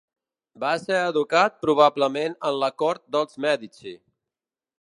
Va ser educat probablement en la cort dels Mèdici.